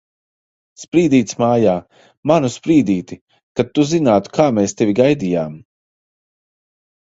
Sprīdītis mājā! Manu Sprīdīti! Kad tu zinātu, kā mēs tevi gaidījām!